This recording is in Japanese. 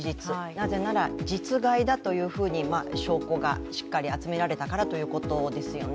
なぜなら、実害だかということで証拠がしっかり集められたからということですよね。